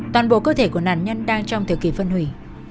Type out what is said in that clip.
toàn bộ cơ thể của nạn nhân đang trong thời kỳ phân hủy